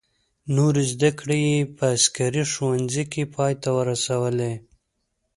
نورې زده کړې یې په عسکري ښوونځي کې پای ته ورسولې.